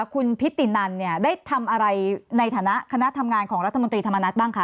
คุณพิตินันเนี่ยได้ทำอะไรในฐานะคณะทำงานของรัฐมนตรีธรรมนัฐบ้างคะ